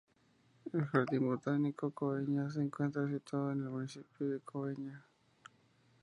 El Jardín Botánico de Cobeña se encuentra situado en el municipio de Cobeña.